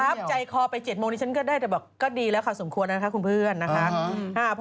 ใจคอไป๗โมงนี้ฉันก็ได้แต่บอกก็ดีแล้วค่ะสมควรนะคะคุณเพื่อนนะคะ